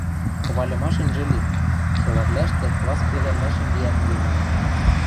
Хвальымаш ӹнжӹ ли: солавлӓштӹ класс кредӓлмӓшӹм виӓнгденнӓ.